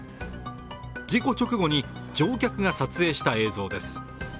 事故直後に乗客が撮影した映像です。